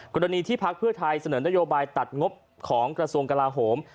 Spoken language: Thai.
กรณีที่พักเพื่อไทยเสนอนโยบายตัดงบของกระทรวงกลาโหม